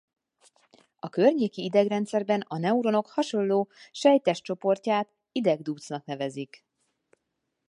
A környéki idegrendszerben a neuronok hasonló sejttest-csoportját idegdúcnak nevezik.